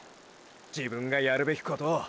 自分がやるべきことを。